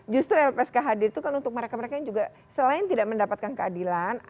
justru lpsk hadir itu kan untuk mereka mereka yang juga selain tidak mendapatkan keadilan